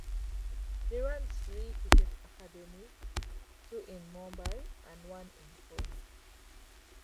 He runs three cricket academies, two in Mumbai and one in Pune.